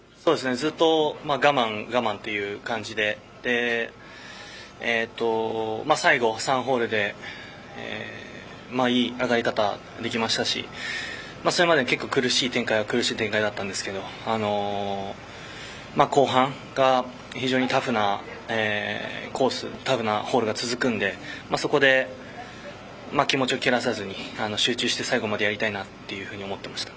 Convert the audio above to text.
ずっと我慢我慢という感じで最後３ホールでいい上がり方ができましたしそれまでに苦しい展開は苦しい展開だったんですけど後半は非常にタフなコースタフなホールが続くのでそこで気持ちを切らさずに集中して最後までやりたいなというふうに思っていました。